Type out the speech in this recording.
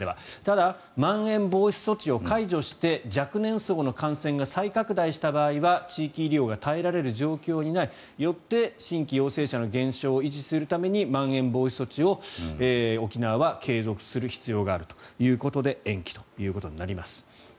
ただ、まん延防止措置を解除して若年層の感染が再拡大した場合は地域医療が耐えられる状況にないよって新規陽性者の減少を維持するためにまん延防止措置を沖縄は継続する必要があるということで延期ということになります。